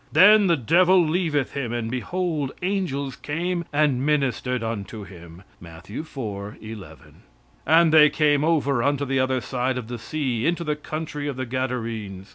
"Then the devil leaveth him; and, behold, angels came and ministered unto him." (Matt. iv, 11.) "And they came over unto the other side of the sea, into the country of the Gadarines.